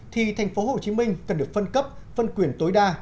thì tp hcm cần được phân cấp phân quyền tối đa